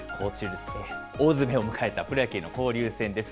大詰めを迎えたプロ野球の交流戦です。